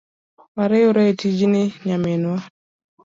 Wariwre etijni nyaminwa.